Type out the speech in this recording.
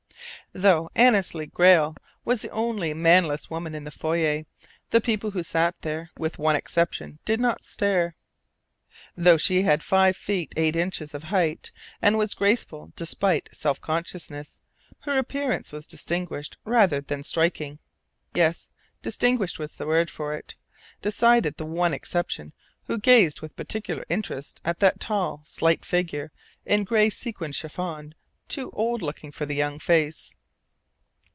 Though Annesley Grayle was the only manless woman in the foyer, the people who sat there with one exception did not stare. Though she had five feet eight inches of height, and was graceful despite self consciousness, her appearance was distinguished rather than striking. Yes, "distinguished" was the word for it, decided the one exception who gazed with particular interest at that tall, slight figure in gray sequined chiffon too old looking for the young face.